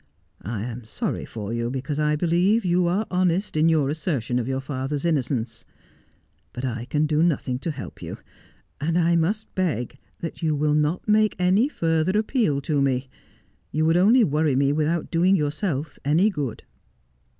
I am sorry for you, because I believe you are honest in your assertion of your father's innocence — but I can do nothing to help you — and I must beg that you will not make any further appeal to me. You would only worry me without doing yourself any good.'